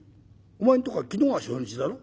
お前んとこは昨日が初日だろ。